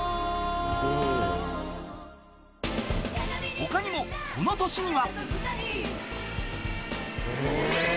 ［他にもこの年には］